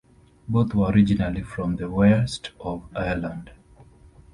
Both were originally from the west of Ireland.